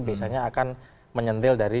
biasanya akan menyentil dari